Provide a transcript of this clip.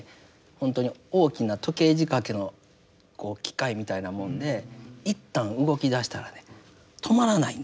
ほんとに大きな時計仕掛けの機械みたいなもんで一旦動きだしたらね止まらないんですから。